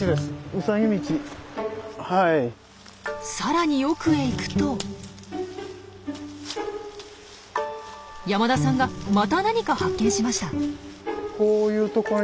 さらに奥へ行くと山田さんがまた何か発見しました。